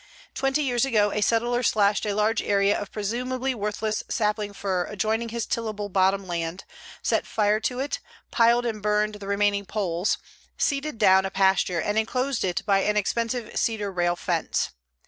Twenty years ago a settler slashed a large area of presumably worthless sapling fir adjoining his tillable bottom land, set fire to it, piled and burned the remaining poles, "seeded down" a pasture, and enclosed it by an expensive cedar rail fence.